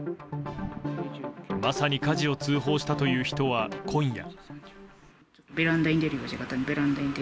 まさに火事を通報したという人は今夜。